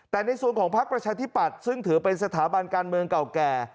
แต่ในส่วนของพักประชาธิปัตย์ซึ่งถือเป็นสถาบันการเมืองเก่าแก่